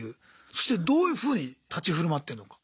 そしてどういうふうに立ち振る舞ってんのか。